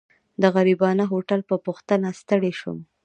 د غريبانه هوټل په پوښتنه ستړی شوم.